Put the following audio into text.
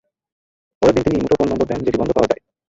পরের দিন তিনি একটি মুঠোফোন নম্বর দেন যেটি বন্ধ পাওয়া যায়।